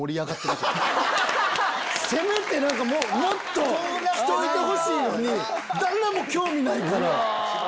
せめてもっと来といてほしいのに誰も興味ないから。